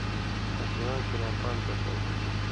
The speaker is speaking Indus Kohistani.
آں سِواں کریا پان٘د پشٶں